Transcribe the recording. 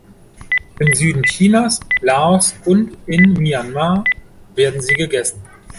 Im Süden Chinas, Laos und in Myanmar werden sie gegessen.